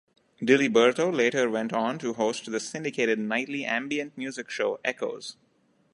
Diliberto later went on to host the syndicated nightly ambient music show "Echoes".